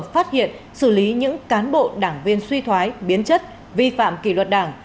phát hiện xử lý những cán bộ đảng viên suy thoái biến chất vi phạm kỷ luật đảng